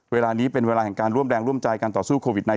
เวลานี้เป็นเวลาจัดการหลวมแรงและต่อสู้กับโควิด๑๙